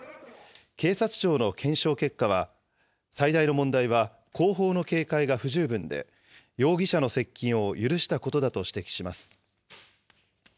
警察庁の検証結果は、最大の問題は後方の警戒が不十分で、容疑者の接近を許したことだと指摘します。